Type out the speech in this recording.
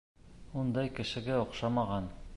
Ундай кешегә оҡшамаған.